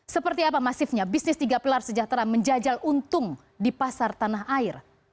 seperti apa masifnya bisnis tiga pilar sejahtera menjajal untung di pasar tanah air